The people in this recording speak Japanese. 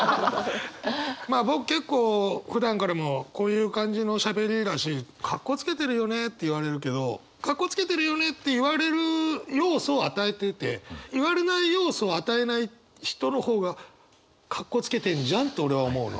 まあ僕結構ふだんからもこういう感じのしゃべりだし「カッコつけてるよね」って言われるけど「カッコつけてるよね」って言われる要素を与えてて言われない要素を与えない人の方がカッコつけてんじゃんって俺は思うの。